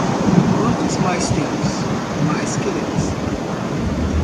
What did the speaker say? Quanto mais temos, mais queremos.